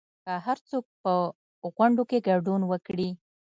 که هرڅوک په غونډو کې ګډون وکړي